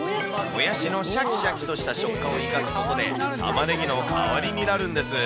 もやしのしゃきしゃきとした食感を生かすことで、たまねぎの代わりになるんです。